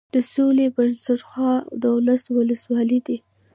د سويلي پښتونخوا دولس اولسولۍ دي.